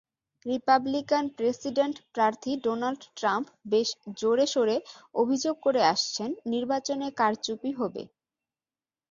Republican president প্রার্থী Donald Trump বেশ জোরেশোরে অভিযোগ করে আসছেন, নির্বাচনে কারচুপি হবে।